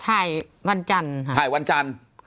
แต่คุณยายจะขอย้ายโรงเรียน